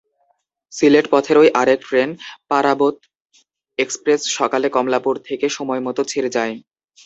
সিলেট পথেরই আরেক train Parabat express সকালে কমলাপুর থেকে সময়মতো ছেড়ে যায়।